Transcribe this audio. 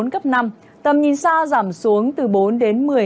cấp bốn năm tầm nhìn xa giảm xuống từ bốn một mươi km trong mưa